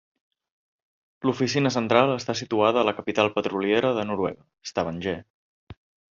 L'oficina central està situada a la capital petroliera de Noruega, Stavanger.